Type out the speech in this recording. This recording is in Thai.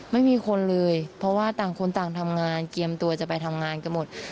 ไม่มีคนเลยเพราะว่าต่างคนต่างทำงานเตรียมตัวจะไปทำงานกันหมด